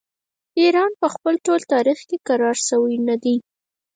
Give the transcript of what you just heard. ایران په خپل ټول تاریخ کې کرار شوی نه دی.